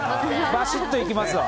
バシッといきますわ。